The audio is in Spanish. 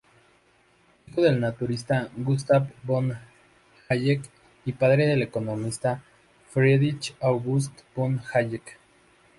Hijo del naturalista Gustav von Hayek, y padre del economista Friedrich August von Hayek.